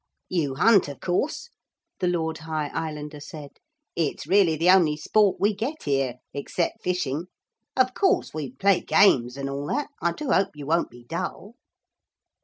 'You hunt, of course?' the Lord High Islander said; 'it's really the only sport we get here, except fishing. Of course we play games and all that. I do hope you won't be dull.'